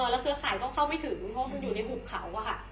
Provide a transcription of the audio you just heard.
แล้วเธอขายต้องเข้าไม่ถึงเพราะมันอยู่ในหุบเขา